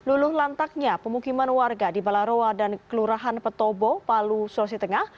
luluh lantaknya pemukiman warga di balarowa dan kelurahan petobo palu sulawesi tengah